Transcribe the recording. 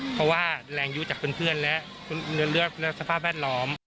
เพราะว่าแรงยุจากเพื่อนและสภาพแวดล้อม